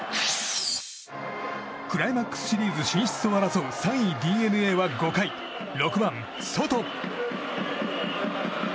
クライマックスシリーズ進出を争う３位、ＤｅＮＡは５回６番、ソト。